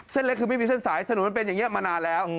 เส้นเล็กคือไม่มีเส้นสายถนนมันเป็นอย่างนี้มานานแล้ว